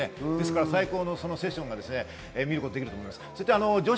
最高のセッションが見えることができると思います。